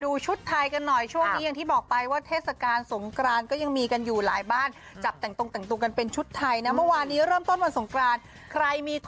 ดูชุดไทยกันหน่อยช่วงนี้อย่างที่บอกไปว่าเทศกาลสงครานก็ยังมีกันอยู่หลายบ้านจับแต่งตรงกันเป็นชุดไทยม